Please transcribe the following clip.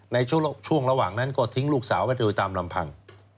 ในช่วงระหว่างนั้นก็ทิ้งลูกสาวไว้โดยตามลำพัง